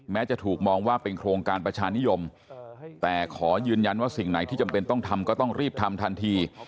จะถูกมองว่าเป็นโครงการประชานิยมแต่ขอยืนยันว่าสิ่งไหนที่จำเป็นต้องทำก็ต้องรีบทำทันที